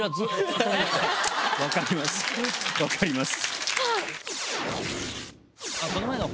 分かります分かります。